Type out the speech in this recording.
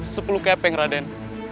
sepuluh keping raden